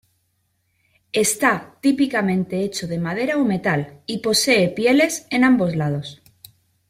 Está típicamente hecho de madera o metal y posee pieles en ambos lados.